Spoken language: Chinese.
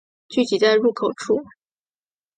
聚集在入口处